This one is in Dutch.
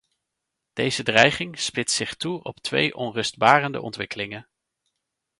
Deze dreiging spitst zich toe op twee onrustbarende ontwikkelingen.